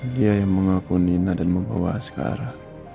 dia yang mengaku nina dan membawa sekarang